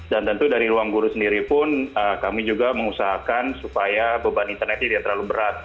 dan tentu dari ruangguru sendiri pun kami juga mengusahakan supaya beban internet tidak terlalu berat